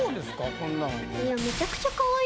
こんなん。